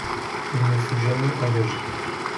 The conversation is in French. Il ne fut jamais engagé.